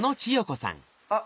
あっ。